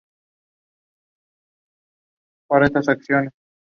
The forest is used for research and experiments in forestry and forest regeneration.